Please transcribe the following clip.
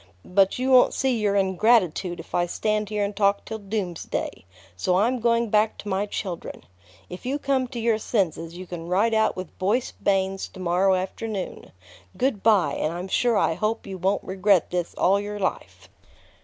But you won't see your ingratitude if I stand here and talk till doomsday; so I'm going back to my children. If you come to your senses, you can ride out with Boyce Bains to morrow afternoon. Good by, and I'm sure I hope you won't regret this all your life."